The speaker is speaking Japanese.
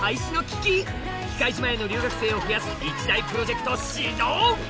⁉喜界島への留学生を増やす一大プロジェクト始動！